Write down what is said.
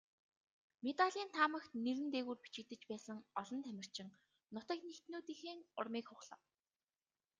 Медалийн таамагт нэр нь дээгүүр бичигдэж байсан олон тамирчин нутаг нэгтнүүдийнхээ урмыг хугалав.